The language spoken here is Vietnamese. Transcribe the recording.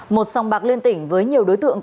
một sòng bạc liên tỉnh với nhiều đối tượng